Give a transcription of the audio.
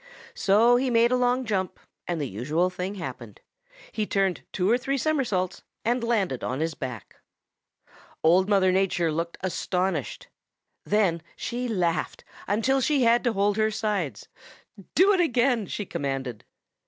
So he made a long jump, and the usual thing happened he turned two or three somersaults and landed on his back. Old Mother Nature looked astonished. Then she laughed until she had to hold her sides. 'Do it again,' she commanded.